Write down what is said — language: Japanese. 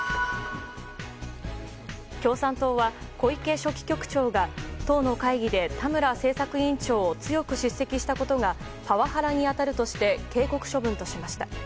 共産党は小池書記局長が党の会議で田村政策委員長を強く叱責したことがパワハラに当たるとして警告処分としました。